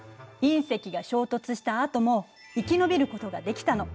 隕石が衝突したあとも生き延びることができたの。